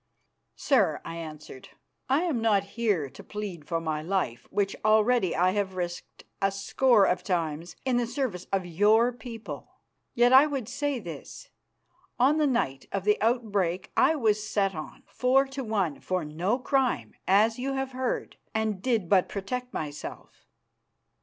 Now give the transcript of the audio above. "Sir," I answered, "I am not here to plead for my life, which already I have risked a score of times in the service of your people. Yet I would say this. On the night of the outbreak I was set on, four to one, for no crime, as you have heard, and did but protect myself.